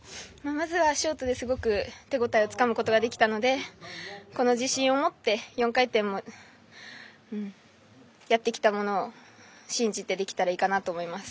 まずはすごくショートで手応えをつかむことができたのでこの自信を持って４回転もやってきたものを信じてできたらいいかなと思います。